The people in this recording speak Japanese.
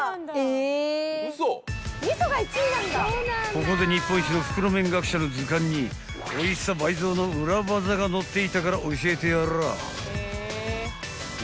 ［ここで日本一の袋麺学者の図鑑においしさ倍増の裏技が載っていたから教えてやらぁ］